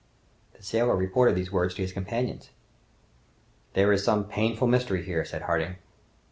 The sailor reported these words to his companions. "There is some painful mystery there!" said Harding.